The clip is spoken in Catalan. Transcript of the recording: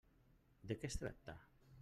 De què es tracta?